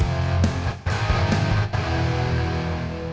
tante hilde adalah sahabat